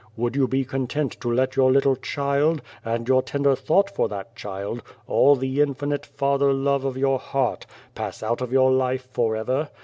Would you be content to let your little child, and your tender thought for that child, all the infinite father love of your heart, pass out of your life for ever?